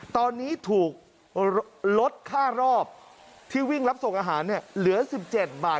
ตอนนี้ถูกลดค่ารอบที่วิ่งรับส่งอาหารเนี่ยเหลือ๑๗บาท